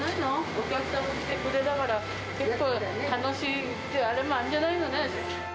お客さんも来てくれたから、結構、楽しいというあれもあるんじゃないの？